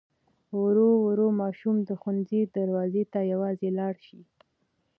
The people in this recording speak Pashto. ورو ورو ماشوم د ښوونځي دروازې ته یوازې لاړ شي.